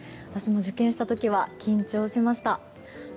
私も受験した時は緊張しました。